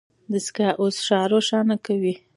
دستګاه اوس ښار روښانه کوي.